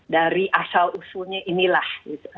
dari asal usulnya inilah